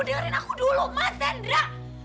mas hendra dengerin aku dulu mas hendra